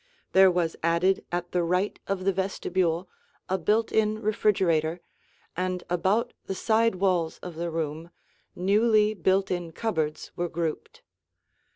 There was added at the right of the vestibule a built in refrigerator, and about the side walls of the room newly built in cupboards were grouped.